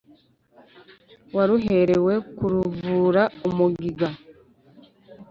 waruherewe kuruvura umugiga.